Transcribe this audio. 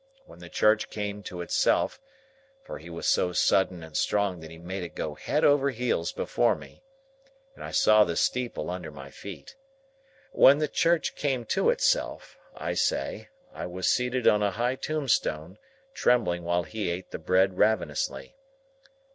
When the church came to itself,—for he was so sudden and strong that he made it go head over heels before me, and I saw the steeple under my feet,—when the church came to itself, I say, I was seated on a high tombstone, trembling while he ate the bread ravenously.